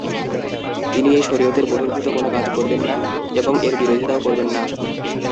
তিনি এই শরীয়তের বহির্ভূত কোন কাজ করবেন না এবং এর বিরোধিতাও করবেন না।